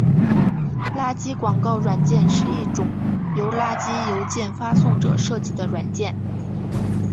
垃圾广告软件是一种由垃圾邮件发送者设计的软件。